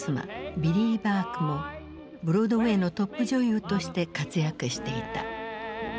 ビリー・バークもブロードウェイのトップ女優として活躍していた。